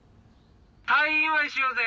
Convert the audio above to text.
退院祝いしようぜ！